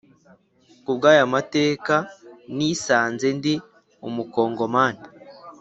kubwaya mateka nisanze ndi umu congomani